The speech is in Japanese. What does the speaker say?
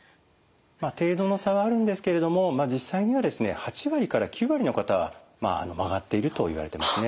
程度の差はあるんですけれども実際にはですね８割から９割の方は曲がっているといわれてますね。